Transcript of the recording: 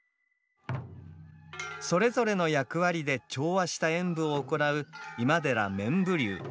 それぞれの役割で調和した演舞を行う「今寺面浮立」。